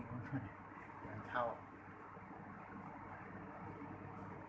ตอนนี้ก็ไม่เห็นว่าจะเป็นแบบนี้